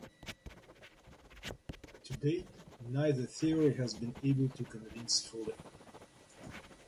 To date neither theory has been able to convince fully.